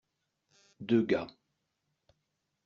Deux gars.